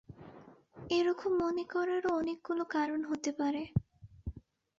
এ-রকম মনে করারও অনেকগুলি কারণ হতে পারে।